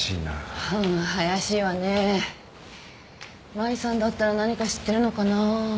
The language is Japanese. マリさんだったら何か知ってるのかなあ。